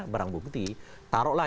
barang bukti taruhlah